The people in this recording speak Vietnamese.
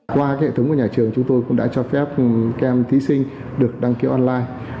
qua hệ thống của nhà trường chúng tôi cũng đã cho phép các em thí sinh được đăng ký online